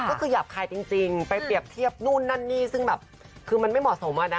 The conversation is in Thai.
ก็คือหยาบคายจริงไปเปรียบเทียบนู่นนั่นนี่ซึ่งแบบคือมันไม่เหมาะสมอะนะ